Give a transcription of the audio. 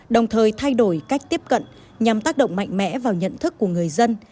đồng thời thay đổi cách tiếp cận nhằm tác động mạnh mẽ vào nhận thức của người dân